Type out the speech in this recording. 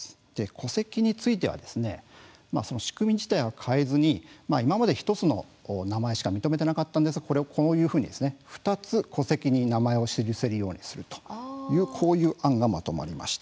戸籍については仕組み自体は変えずに今まで１つの名前しか認めていなかったんですがこれをこのように、２つ戸籍に名前を示せるようにするという案がまとまりました。